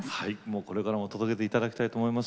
これからも届けていただきたいと思います。